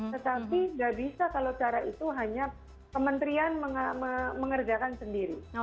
tetapi nggak bisa kalau cara itu hanya kementerian mengerjakan sendiri